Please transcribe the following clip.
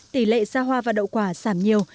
tỷ lệ ra hoa và đậu quả giảm nhiều